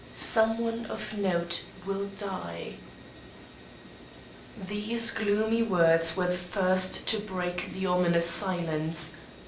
Some one of note will die." These gloomy words were the first to break the ominous silence.